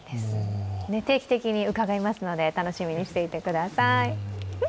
定期的に伺いますので、楽しみにしていてください。